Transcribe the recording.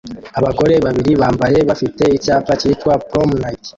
Abagore babiri bambaye bafite icyapa cyitwa "prom night"